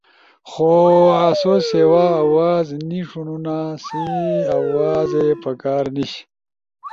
خو آسو سیوا آواز نی ݜونونا سیں آوازے پکار نیِش۔